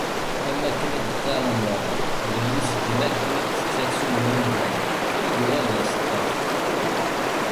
Am akken i d-qqaṛen daɣen belli segmi akken i yetett aksum n yimdanen i yuɣal d aseṭṭaf.